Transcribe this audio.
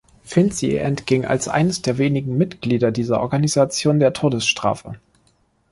Finzi entging als eines der wenigen Mitglieder dieser Organisation der Todesstrafe.